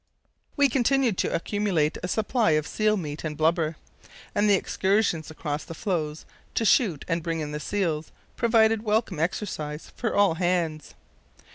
We continued to accumulate a supply of seal meat and blubber, and the excursions across the floes to shoot and bring in the seals provided welcome exercise for all hands.